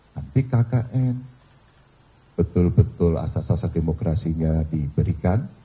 nanti kkn betul betul asas asas demokrasinya diberikan